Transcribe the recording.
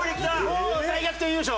もう大逆転優勝！